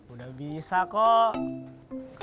udah bisa kok